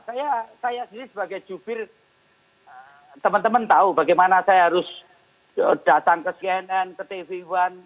saya sendiri sebagai jubir teman teman tahu bagaimana saya harus datang ke cnn ke tv one